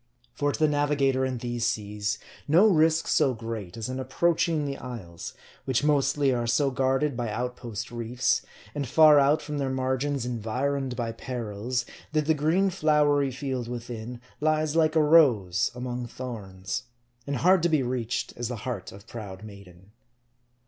For to the navigator in these seas, no risk so great, as in approach ing the isles ; which mostly are so guarded by outpost reefs, and far out from their margins environed by perils, that the green flowery field within, lies like a rose among thorns ; and hard to be reached as the heart of proud maiden.